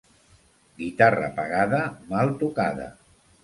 Guitarra pagada, mal tocada.